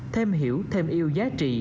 thêm hiểu thêm yêu giá trị